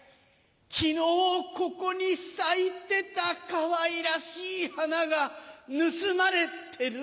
昨日ここに咲いてたかわいらしい花が盗まれてる。